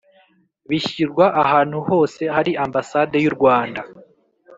Bishyirwa ahantu hose hari ambasade y u rwanda